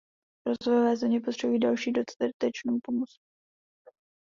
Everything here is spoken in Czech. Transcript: Rozvojové země potřebují další dodatečnou pomoc.